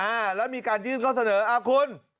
อ่าแล้วมีการยื่นข้อเสนออ่าคุณ